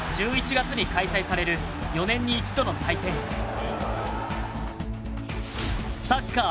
１１月に開催される４年に一度の祭典サッカーＦＩＦＡ